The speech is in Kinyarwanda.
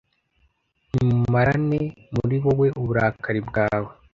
Nimumarane muri wowe uburakari bwawe